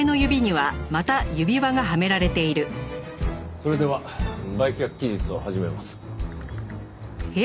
それでは売却期日を始めます。